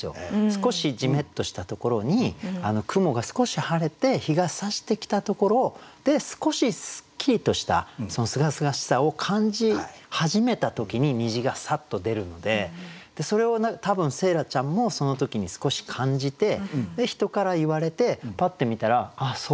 少しじめっとしたところに雲が少し晴れて日がさしてきたところで少しすっきりとしたすがすがしさを感じ始めた時に虹がサッと出るのでそれを多分星来ちゃんもその時に少し感じてで人から言われてパッて見たら「あっそっか」と。